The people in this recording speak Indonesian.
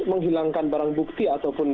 menghilangkan barang bukti ataupun